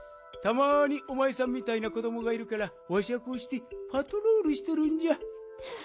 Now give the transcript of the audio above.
たまにおまえさんみたいな子どもがいるからわしはこうしてパトロールしとるんじゃ。